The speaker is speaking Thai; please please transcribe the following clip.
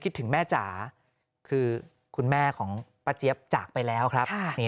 นี่คิดถึงแม่จ๋าคือคุณแม่ของปี้อย่าจากไปแล้วครับนี่